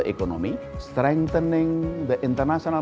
memperkuat sistem moneter internasional